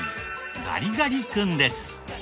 ガリガリ君です。